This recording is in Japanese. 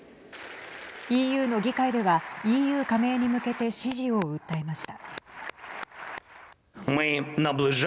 ＥＵの議会ではＥＵ加盟に向けて支持を訴えました。